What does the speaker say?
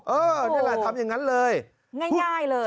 นี่แหละทำอย่างนั้นเลยง่ายเลย